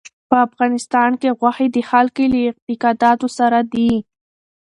په افغانستان کې غوښې د خلکو له اعتقاداتو سره دي.